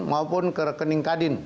maupun ke rekening kadin